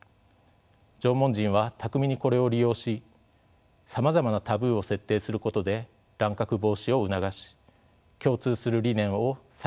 縄文人は巧みにこれを利用しさまざまなタブーを設定することで乱獲防止を促し共通する理念を祭祀・儀礼の場で確認し合ったのでしょう。